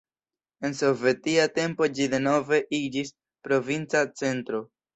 En sovetia tempo ĝi denove iĝis provinca centro.